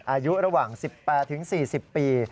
อายุระหว่าง๑๘๔๐ปี